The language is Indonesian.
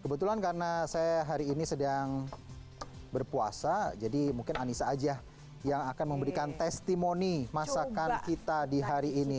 kebetulan karena saya hari ini sedang berpuasa jadi mungkin anissa aja yang akan memberikan testimoni masakan kita di hari ini